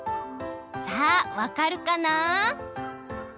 さあわかるかなあ？